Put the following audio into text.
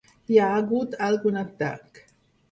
Hi ha hagut algun atac.